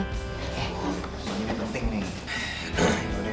oh soly ini penting nih